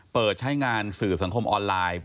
เปิดใช้งานสื่อสังคมออนไลน์